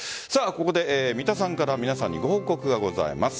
ここで三田さんから皆さんにご報告がございます。